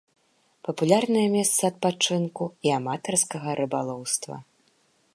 Папулярнае месца адпачынку і аматарскага рыбалоўства.